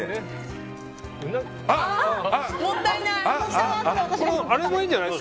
あ！もったいない。